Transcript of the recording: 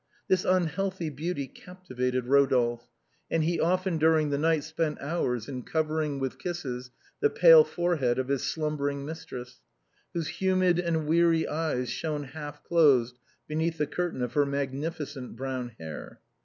This un healthy beauty captivated Eodolphe, and he often during the night spent hours in covering with kisses the pale fore head of his slumbering mistress, whose humid and weary eyes shone half closed beneath the curtain of her magnfi cent brown hair.